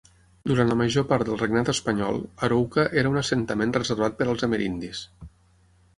Durant la major part del regnat espanyol, Arouca era un assentament reservat per als amerindis.